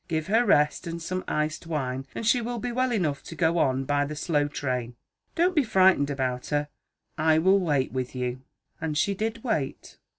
'Give her rest and some iced wine, and she will be well enough to go on by the slow train. Don't be frightened about her; I will wait with you.' And she did wait.